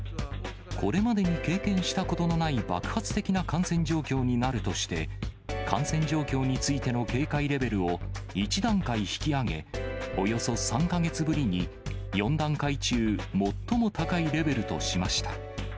これまでに経験したことのない爆発的な感染状況になるとして、感染状況についての警戒レベルを１段階引き上げ、およそ３か月ぶりに４段階中、最も高いレベルとしました。